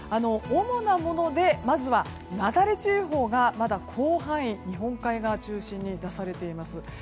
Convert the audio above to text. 主なもので、まずは雪崩注意報がまだ広範囲日本海側中心に出されています。